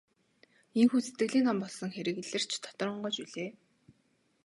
Ийнхүү сэтгэлийн там болсон хэрэг илэрч дотор онгойж билээ.